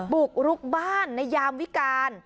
บุกรุกบ้านในยามวิการ